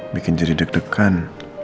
bikin jadi deg degan